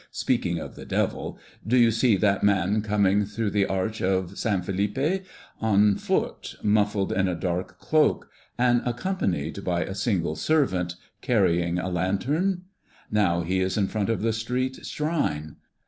speaking of the Devil. Do you see that man coming through the arch of San Felipe, on foot, muffled in a dark cloak, and accompanied by a single servant carrying a lantern? Now he is in front of the street shrine.